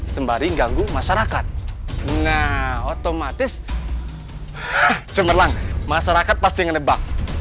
sembari ganggu masyarakat nah otomatis cemerlang masyarakat pasti ngedebak